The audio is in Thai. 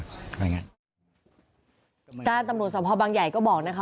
ตั้งแต่ตำรวจสวทธิ์พอร์บังไหยก็บอก